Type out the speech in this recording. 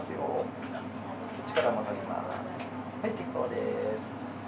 はい、結構です。